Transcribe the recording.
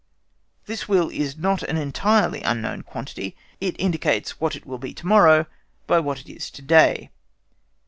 This Will is not an entirely unknown quantity; it indicates what it will be to morrow by what it is to day.